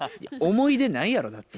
思い出ないやろだって。